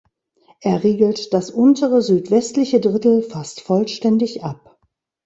Er riegelt das untere, südwestliche Drittel fast vollständig ab.